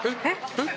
「えっ？